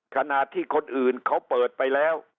ขณะที่คนอื่นเขาเปิดไปแล้ว